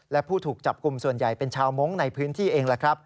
และผู้ถูกจับกลุ่มส่วนใหญ่เป็นชาวมงค์ในพื้นที่เอง